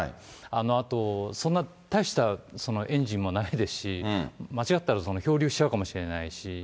あと、大したはないですし、間違ったら漂流しちゃうかもしれないし。